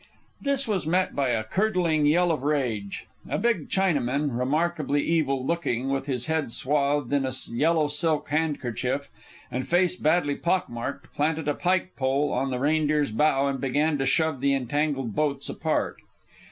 This was met by a curdling yell of rage. A big Chinaman, remarkably evil looking, with his head swathed in a yellow silk handkerchief and face badly pock marked, planted a pike pole on the Reindeer's bow and began to shove the entangled boats apart.